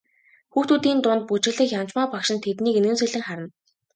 Хүүхдүүдийн дунд бүжиглэх Янжмаа багш нь тэднийг инээмсэглэн харна.